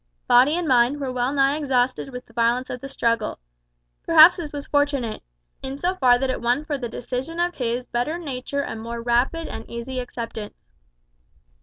Body and mind were well nigh exhausted with the violence of the struggle. Perhaps this was fortunate, in so far that it won for the decision of his better nature a more rapid and easy acceptance.